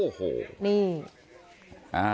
โอ้โหนี่